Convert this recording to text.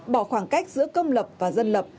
bỏ khoảng cách giữa công lập và dân lập